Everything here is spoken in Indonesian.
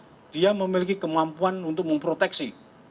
mereka memiliki kemampuan untuk memproteksi